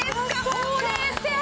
ほうれい線！